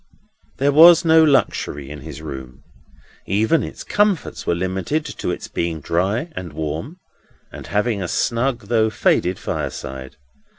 There was no luxury in his room. Even its comforts were limited to its being dry and warm, and having a snug though faded fireside.